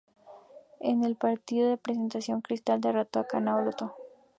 En el partido de presentación Cristal derrotó a Cantolao.